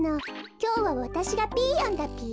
きょうはわたしがピーヨンだぴよ。